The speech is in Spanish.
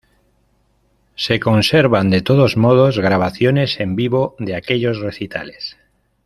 Se conservan de todos modos grabaciones en vivo de aquellos recitales.